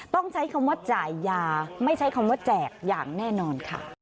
ต้องใช้คำว่าจ่ายยาไม่ใช้คำว่าแจกอย่างแน่นอนค่ะ